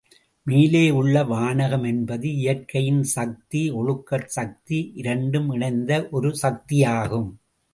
மேலே உள்ள வானகம் என்பது இயற்கையின் சக்தி ஒழுக்கச் சக்தி, இரண்டும் இணைந்த ஒரு சக்தியாகும்.